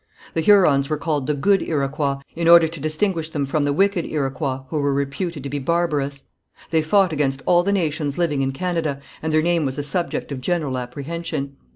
The Hurons were called the good Iroquois in order to distinguish them from the wicked Iroquois who were reputed to be barbarous. They fought against all the nations living in Canada, and their name was a subject of general apprehension.